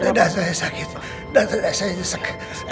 dada saya sakit dada saya jesek